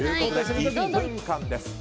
１分間です。